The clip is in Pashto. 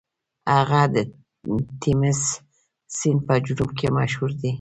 هغه د تیمس سیند په جنوب کې مشهور دی.